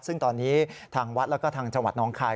ซึ่งตอนนี้ทางวัดแล้วก็ทางจังหวัดน้องคาย